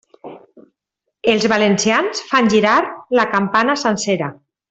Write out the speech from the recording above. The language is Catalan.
Els valencians fan girar la campana sencera.